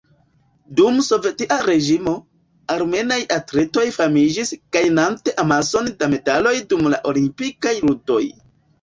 Dum sovetia reĝimo, armenaj atletoj famiĝis gajnante amason da medaloj dum la Olimpikaj Ludoj.